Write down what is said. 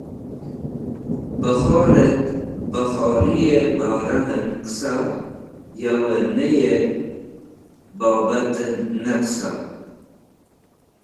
Bẽkhorẽt bẽ khori bararẽn qesa yo nayẽ bobatẽn ne qesa.